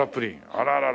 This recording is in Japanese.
あららら。